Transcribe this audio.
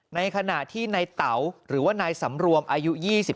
ในขณะที่ในเต๋าหรือว่านายสำรวมอายุ๒๓